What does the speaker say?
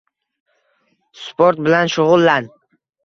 Sport bilan shug‘ullan!